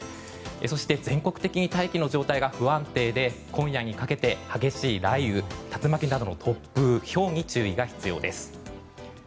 そして全国的に大気の状態が不安定で今夜にかけて激しい雷雨竜巻などの突風ひょうに注意が必要です。